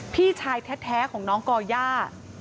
พี่ชายแท้ของน้องก่อย่า